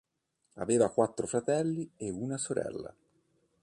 Aveva quattro fratelli e una sorella.